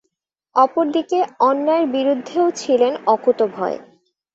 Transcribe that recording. অপর দিকে অন্যায়ের বিরুদ্ধেও ছিলেন অকুতোভয়।